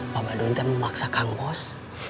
bapak duntian memaksa kang bos